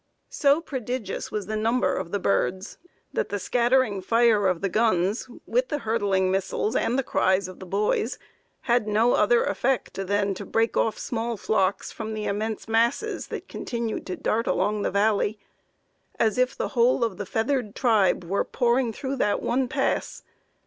So prodigious was the number of the birds, that the scattering fire of the guns, with the hurtling missiles, and the cries of the boys, had no other effect than to break off small flocks from the immense masses that continued to dart along the valley, as if the whole of the feathered tribe were pouring through that one pass.